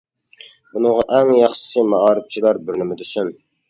بۇنىڭغا ئەڭ ياخشىسى مائارىپچىلار بىرنېمە دېسۇن.